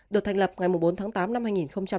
được thành lập ngày bốn tháng tám năm hai nghìn bốn